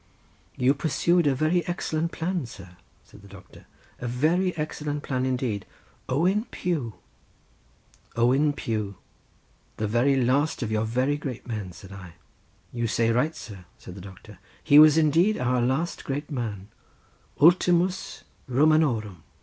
"You pursued a very excellent plan," said the doctor, "a very excellent plan indeed. Owen Pugh!" "Owen Pugh! The last of your very great men," said I. "You say right, sir," said the doctor. "He was indeed our last great man—Ultimus Romanorum.